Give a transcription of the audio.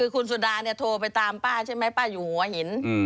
คุณสุดาโทรไปตามป้าอยู่หัวหิน